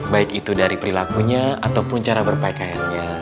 baik itu dari perilakunya ataupun cara berpakaiannya